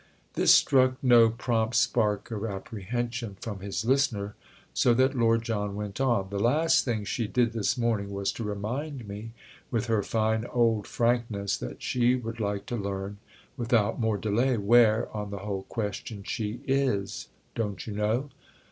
This struck no prompt spark of apprehension from his listener, so that Lord John went on: "The last thing she did this morning was to remind me, with her fine old frankness, that she would like to learn without more delay where, on the whole question, she is, don't you know?